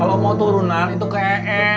kalo mau turunan itu kayak eh